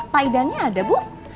pak idahnya ada bu